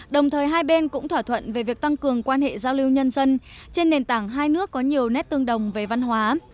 đồng thời hai bên cũng thỏa thuận về việc tăng cường quan hệ giao lưu nhân dân trên nền tảng hai nước có nhiều nét tương đồng về văn hóa